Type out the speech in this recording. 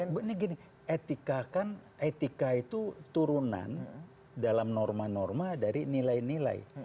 begini gini etika kan etika itu turunan dalam norma norma dari nilai nilai